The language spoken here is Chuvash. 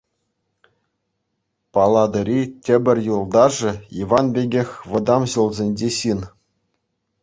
Палатӑри тепӗр юлташӗ — Иван пекех вӑтам ҫулсенчи ҫын.